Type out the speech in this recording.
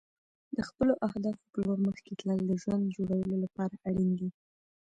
د خپلو اهدافو په لور مخکې تلل د ژوند د جوړولو لپاره اړین دي.